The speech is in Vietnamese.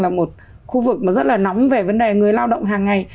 là một khu vực mà rất là nóng về vấn đề người lao động hàng ngày